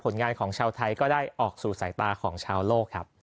งานของชาวไทยก็ได้ออกสู่สายตาของชาวโลกครับ